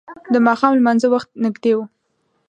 د ماښام لمانځه وخت نږدې و.